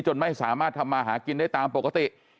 ไม่สามารถทำมาหากินได้ตามปกติ